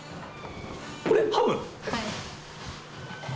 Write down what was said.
これ、ハム？